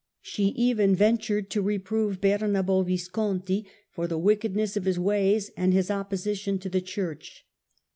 She even ventured to reprove Bernabo Visconti for the wickedness of his ways and his opposition to the Church.